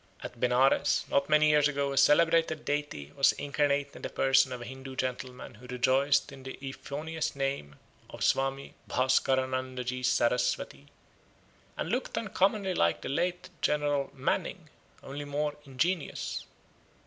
At Benares not many years ago a celebrated deity was incarnate in the person of a Hindoo gentleman who rejoiced in the euphonious name of Swami Bhaskaranandaji Saraswati, and looked uncommonly like the late Cardinal Manning, only more ingenuous.